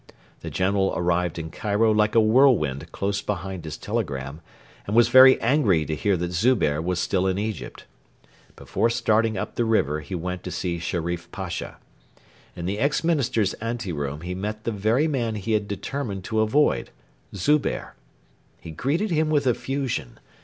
The General arrived in Cairo like a whirlwind close behind his telegram, and was very angry to hear that Zubehr was still in Egypt. Before starting up the river he went to see Sherif Pasha. In the ex Minister's ante room he met the very man he had determined to avoid Zubehr. He greeted him with effusion.